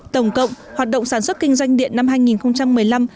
tổng cộng hoạt động sản xuất kinh doanh điện năm hai nghìn một mươi năm